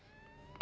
あ。